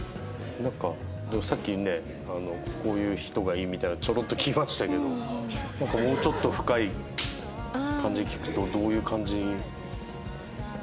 なんかさっきねこういう人がいいみたいなのちょろっと聞きましたけどもうちょっと深い感じで聞くとどういう感じ？